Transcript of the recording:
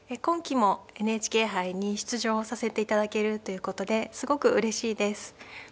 今期もＮＨＫ杯に出場させて頂けるということですごくうれしいです。